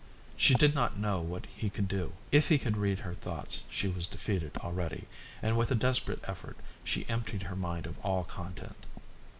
She did not know what he could do; if he could read her thoughts she was defeated already, and with a desperate effort she emptied her mind of all content.